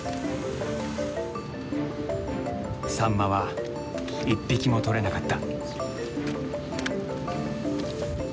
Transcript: サンマは一匹も取れなかった。